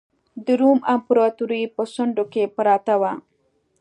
د روم امپراتورۍ په څنډو کې پراته وو.